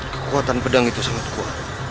kekuatan pedang itu sangat kuat